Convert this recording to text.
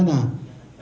atau mitigasi bencana